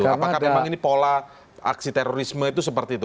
apakah memang ini pola aksi terorisme itu seperti itu